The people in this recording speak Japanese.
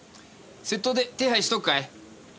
窃盗で手配しとくかい？